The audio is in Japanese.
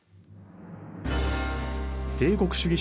帝国主義